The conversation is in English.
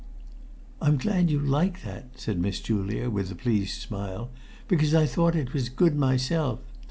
"I'm glad you like that," said Miss Julia, with a pleased smile, "because I thought it was good myself.